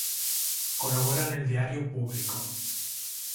Colabora en el diario Público.